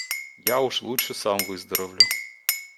Я уж лучше сам выздоровлю.